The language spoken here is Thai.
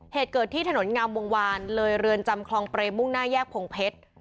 เหตุเกิดที่ถนนงามวงวานเลยเรือนจำคลองเปรมมุ่งหน้าแยกพงเพชร